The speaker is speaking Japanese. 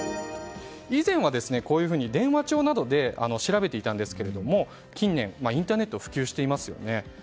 以前は電話帳などで調べていたんですが近年、インターネットが普及していますよね。